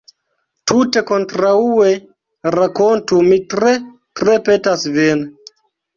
Tute kontraŭe; rakontu, mi tre, tre petas vin.